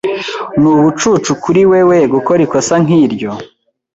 Ni ibicucu kuri wewe gukora ikosa nkiryo.